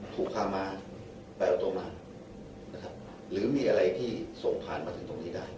ถูกพามาแบบเอาตัวมานะครับหรือมีอะไรที่ส่งผ่านมาถึงตรงนี้ได้